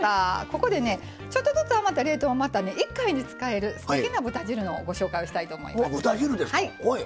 ここでちょっとずつ余った冷凍を一回で使える、すてきな豚汁をご紹介したいと思います。